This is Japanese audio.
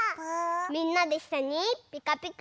みんなでいっしょにピカピカ。